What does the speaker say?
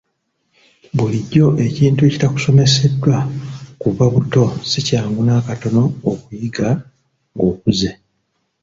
Bulijjo ekintu ekitakusomeseddwa kuva buto si kyangu nakatono okukiyiga ng'okuze.